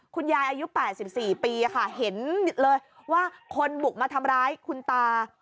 คุณยายอายุแปดสิบสี่ปีอ่ะค่ะเห็นเลยว่าคนบุกมาทำร้ายคุณตา